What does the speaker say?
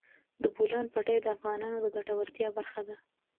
د بولان پټي د افغانانو د ګټورتیا برخه ده.